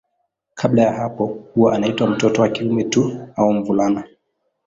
Kabla ya hapo huwa anaitwa mtoto wa kiume tu au mvulana.